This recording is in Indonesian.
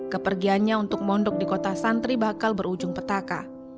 kepergiannya untuk mondok di kota santri bakal berujung petaka